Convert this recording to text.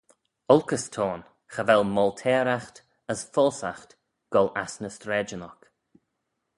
Olkys t'ayn: cha vel molteyraght as foalsaght goll ass ny straidyn oc.